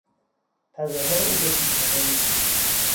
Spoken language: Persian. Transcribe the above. تظاهر او به بیتفاوتی